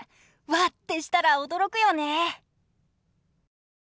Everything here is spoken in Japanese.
わってしたら驚くよね。